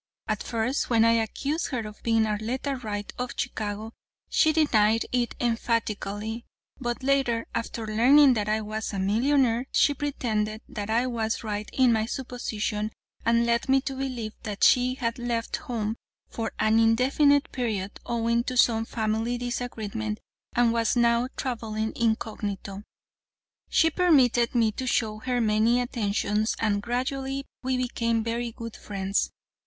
At first when I accused her of being Arletta Wright, of Chicago, she denied it emphatically. But later, after learning that I was a millionaire, she pretended that I was right in my supposition and led me to believe that she had left home for an indefinite period owing to some family disagreement and was now traveling incognito. She permitted me to show her many attentions and gradually we became very good friends.